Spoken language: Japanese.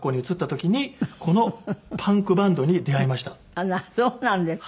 あらそうなんですか。